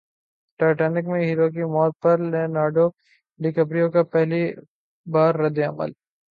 Titanic میں hero کی موت پر لیونارڈو ڈی کیپریو کا پہلی بار ردعمل